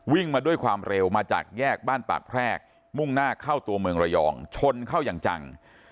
มาด้วยความเร็วมาจากแยกบ้านปากแพรกมุ่งหน้าเข้าตัวเมืองระยองชนเข้าอย่างจัง